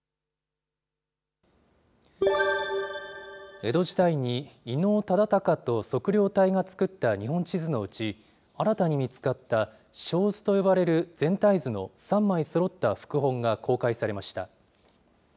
江戸時代に、伊能忠敬と測量隊が作った日本地図のうち、新たに見つかった小図と呼ばれる全体図の３枚そろった副本が公開されました。